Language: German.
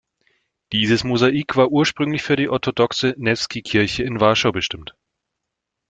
Dieses Mosaik war ursprünglich für die orthodoxe Newski-Kirche in Warschau bestimmt.